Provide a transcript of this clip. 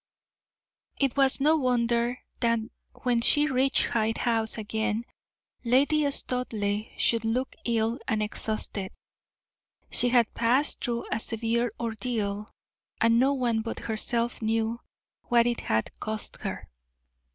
It was no wonder that when she reached Hyde House again Lady Studleigh should look ill and exhausted; she had passed through a severe ordeal, and no one but herself knew what it had cost her.